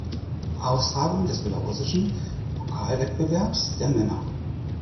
Austragung des belarussischen Pokalwettbewerbs der Männer.